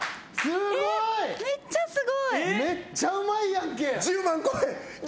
めっちゃうまいやんけ。